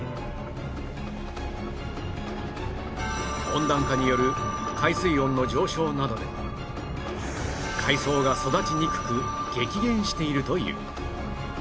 温暖化による海水温の上昇などで海藻が育ちにくく激減しているという